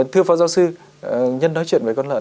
thưa phó giáo sư nhân nói chuyện với con lợn